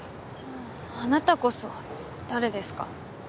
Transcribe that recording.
あなたこそ誰ですか？